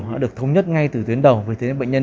đã được thống nhất ngay từ tuyến đầu vì thế nên bệnh nhân